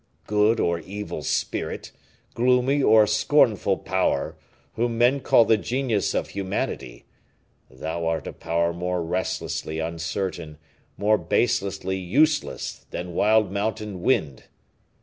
Good or evil Spirit gloomy and scornful Power, whom men call the genius of humanity, thou art a power more restlessly uncertain, more baselessly useless, than wild mountain wind!